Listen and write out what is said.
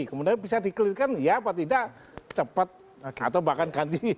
kemudian bisa di clear kan ya apa tidak cepat atau bahkan ganti